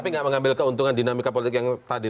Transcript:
tapi nggak mengambil keuntungan dinamika politik yang tadi